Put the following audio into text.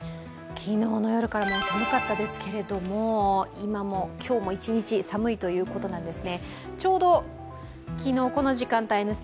昨日の夜から、もう寒かったですけども、今日も一日寒いということなんですね。